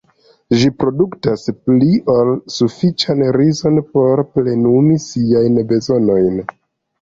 Ĝi produktas pli ol sufiĉan rizon por plenumi siajn bezonojn.